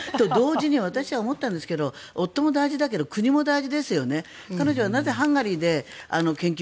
同時に私は思ったんですが夫も大事ですが国も大事ですよね。